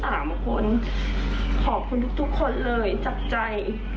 ขอบคุณทุกคนเลยจากใจ